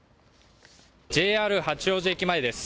ＪＲ八王子駅前です。